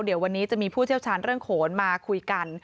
เดี๋ยววันนี้จะมีผู้เชี่ยวชาญเรื่องโขนมาคุยกัน